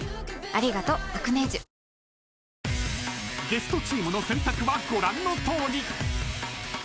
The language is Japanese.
［ゲストチームの選択はご覧のとおり］